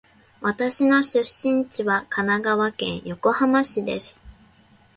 私の出身地は神奈川県横浜市です。